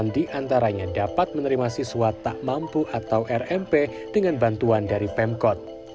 satu ratus dua puluh delapan di antaranya dapat menerima siswa tak mampu atau rmp dengan bantuan dari pemkot